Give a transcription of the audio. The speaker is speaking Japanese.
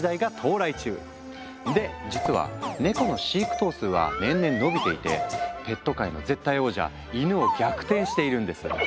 で実はネコの飼育頭数は年々伸びていてペット界の絶対王者イヌを逆転しているんです。